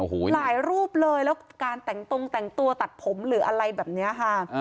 หลายรูปเลยแล้วการแต่งตรงแต่งตัวตัดผมหรืออะไรแบบนี้ค่ะ